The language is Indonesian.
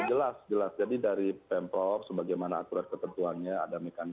oh jelas jelas jadi dari pemprov sebagaimana aturan ketentuannya ada mekanisme dan lain sebagainya